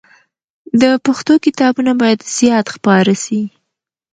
د پښتو کتابونه باید زیات خپاره سي.